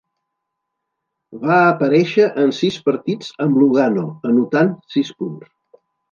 Va aparèixer en sis partits amb Lugano, anotant sis punts.